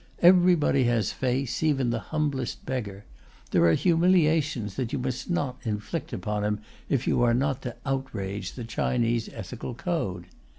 Everybody has "face," even the humblest beggar; there are humiliations that you must not inflict upon him, if you are not to outrage the Chinese ethical code.